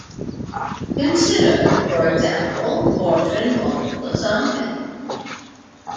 Consider, for example, Mortran multiple assignment.